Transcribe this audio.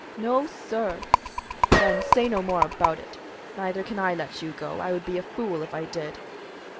"No, sir!" "Then say no more about it. Neither can I let you go. I would be a fool if I did."